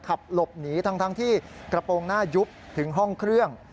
ขับหลบหนีทั้งที่กระโปรงหน้ายุบถึงห้องเครื่อง